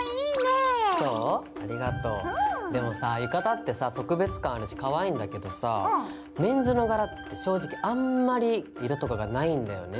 でもさ浴衣ってさ特別感あるしかわいいんだけどさぁメンズの柄って正直あんまり色とかがないんだよね。